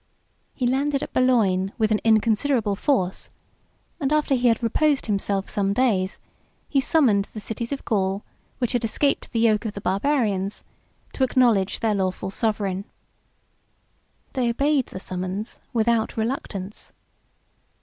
He landed at Boulogne with an inconsiderable force; and after he had reposed himself some days, he summoned the cities of Gaul, which had escaped the yoke of the Barbarians, to acknowledge their lawful sovereign. They obeyed the summons without reluctance.